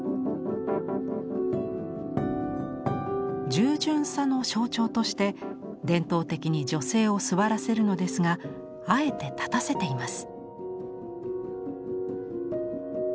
従順さの象徴として伝統的に女性を座らせるのですがあえて立たせています。